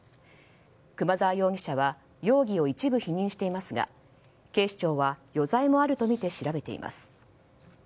熊沢容疑者は容疑を一部否認していますが警視庁は余罪もあるとみて調べています。